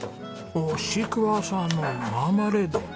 おっシークワーサーのマーマレード。